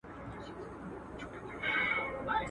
o يا غوا غيي، يا غړکي څيري.